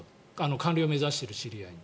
官僚を目指している知り合いに。